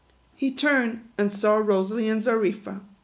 He turned, and saw Rosalie and Xarifa.